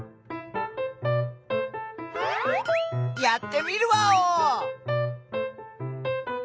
やってみるワオ！